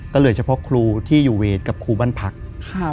ก็เหลือเฉพาะครูที่อยู่เวรกับครูบ้านพัก